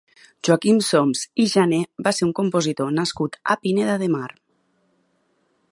Joaquim Soms i Janer va ser un compositor nascut a Pineda de Mar.